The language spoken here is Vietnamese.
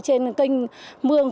trên kênh mương